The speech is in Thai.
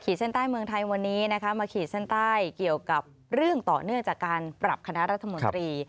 เส้นใต้เมืองไทยวันนี้นะคะมาขีดเส้นใต้เกี่ยวกับเรื่องต่อเนื่องจากการปรับคณะรัฐมนตรี